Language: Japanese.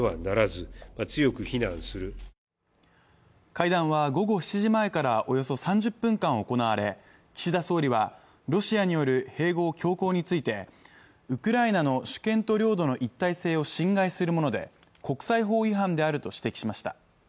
会談は午後７時前からおよそ３０分間行われ岸田総理はロシアによる併合強行についてウクライナの主権と領土の一体性を侵害するもので国際法違反であると指摘しました。